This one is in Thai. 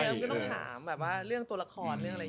ไม่ต้องถามเรื่องตัวละคร